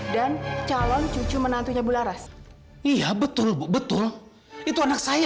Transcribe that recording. tapi pak setahu saya aida itu tidak ada di sini